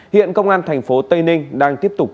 hiện công an tp tây ninh đang tiếp tục